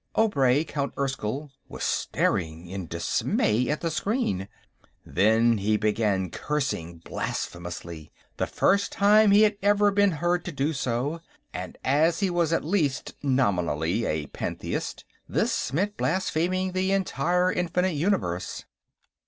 Obray, Count Erskyll, was staring in dismay at the screen. Then he began cursing blasphemously, the first time he had ever been heard to do so, and, as he was at least nominally a Pantheist, this meant blaspheming the entire infinite universe.